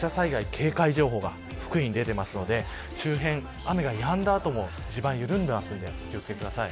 今も土砂災害警戒情報が福井に出ていますので周辺、雨がやんだ後も地盤が緩んでいますのでお気を付けください。